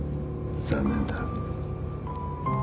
残念だ